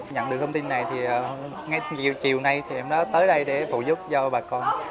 nhận được thông tin này thì ngay chiều nay thì em đã tới đây để phụ giúp cho bà con